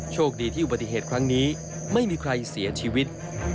โชคดีที่อุบัติเหตุครั้งนี้ไม่มีใครเสียชีวิต